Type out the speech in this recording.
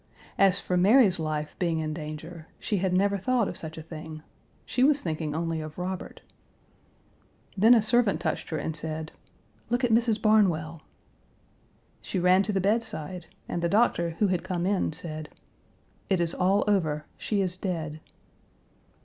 As for Mary's life being in danger, she had never thought of such a thing. She was thinking only of Robert. Then a servant touched her and said: "Look at Mrs. Barnwell." She ran to the bedside, and the doctor, who had come in, said, "It is all over; she is dead."